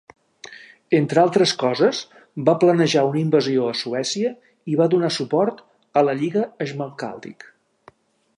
Entre altres coses, va planejar una invasió a Suècia i va donar suport a la Lliga Schmalkaldic.